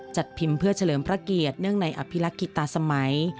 จัดพิมพ์เพื่อเฉลิมพระเกียรติเนื่องในอภิรักษ์กิจตาสมัย